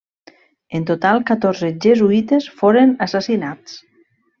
En total catorze jesuïtes foren assassinats.